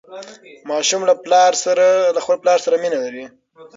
ماشوم له خپل پلار سره مینه لري.